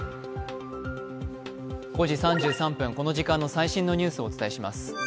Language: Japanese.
この時間の最新のニュースをお伝えします。